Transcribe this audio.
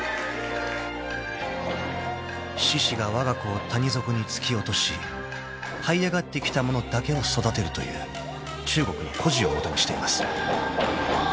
［獅子がわが子を谷底に突き落としはい上がってきたものだけを育てるという中国の故事を基にしています］